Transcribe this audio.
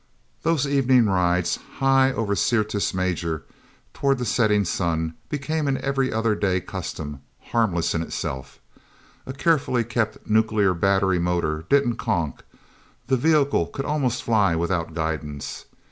Those evening rides, high over Syrtis Major, toward the setting sun, became an every other day custom, harmless in itself. A carefully kept nuclear battery motor didn't conk; the vehicle could almost fly without guidance.